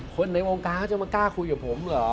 ในวงการเขาจะมากล้าคุยกับผมเหรอ